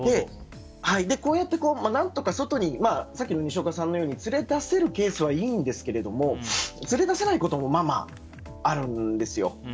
こうやってなんとか外にさっきのにしおかさんのように連れ出せるケースはいいんですけど連れ出せないこともあるんですよ。